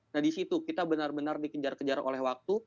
nah di situ kita benar benar dikejar kejar oleh waktu